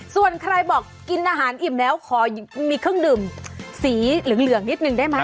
ส่วนใครบอกกินอาหารอิ่มแล้วขอมีเครื่องดื่มสีเหลืองนิดนึงได้ไหม